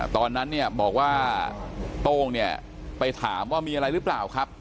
ตอนนั้นเนี่ยบอกว่าโต้งเนี่ยไปถามว่ามีอะไรหรือเปล่าครับ